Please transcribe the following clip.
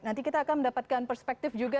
nanti kita akan mendapatkan perspektif juga